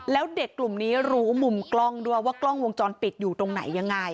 แล้วเด็กกลุ่มนี้รู้มุมกล้องด้วยว่ากล้องวงจรปิดอยู่ตรงไหนยังไง